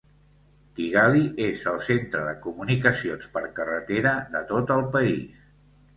Kigali és el centre de comunicacions per carretera de tot el país.